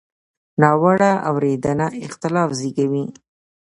ناوړه اورېدنه اختلاف زېږوي.